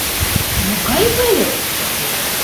— Могай Выльып?